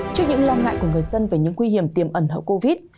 trước những lo ngại của người dân về những nguy hiểm tiềm ẩn hậu covid